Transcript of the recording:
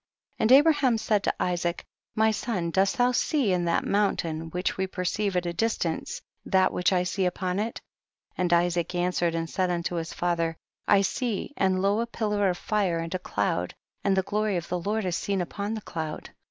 43. And Abraham said to Isaac, my son dost thou see in that moun tain, which we perceive at a distance, that which I see upon it ? 44. And Isaac answered and said unto his father, I see and lo a pillar of fire and a cloud, and the glory of the Lord is seen upon the cloud.